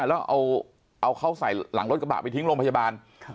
แล้วเอาเขาใส่หลังรถกระบะไปทิ้งโรงพยาบาล